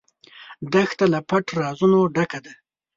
دښته له پټ رازونو ډکه ده.